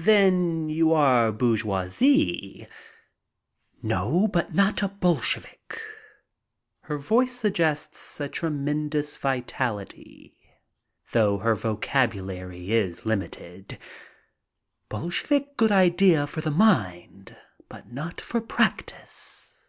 "Then you are bourgeoisie?" "No, but not a Bolshevik." Her voice suggests a tre mendous vitality, though her vocabulary is limited. "Bol .shevik good idea for the mind, but not for practice."